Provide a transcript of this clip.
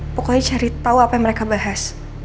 pokoknya cari tahu apa yang mereka bahas